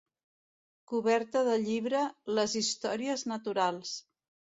Coberta del llibre 'Les històries naturals'